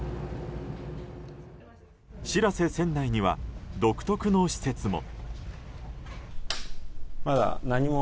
「しらせ」船内には独特の施設も。